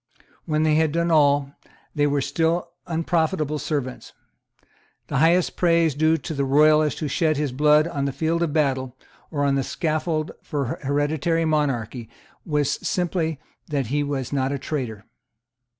When they had done all, they were still unprofitable servants. The highest praise due to the royalist who shed his blood on the field of battle or on the scaffold for hereditary monarchy was simply that he was not a traitor.